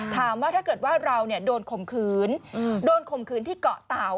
ถามว่าถ้าเกิดว่าเราเนี่ยโดนขมขืนโดนขมขืนที่เกาะเตาะ